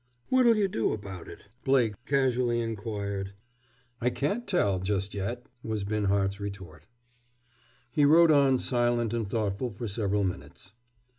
"What'll you do about it?" Blake casually inquired. "I can't tell, just yet," was Binhart's retort. He rode on silent and thoughtful for several minutes.